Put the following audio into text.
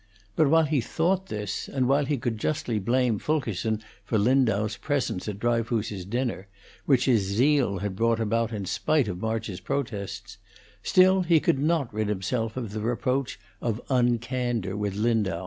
But while he thought this, and while he could justly blame Fulkerson for Lindau's presence at Dryfoos's dinner, which his zeal had brought about in spite of March's protests, still he could not rid himself of the reproach of uncandor with Lindau.